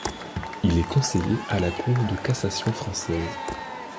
Il est conseiller à la Cour de cassation française.